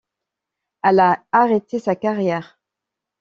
Elle a arrêté sa carrière.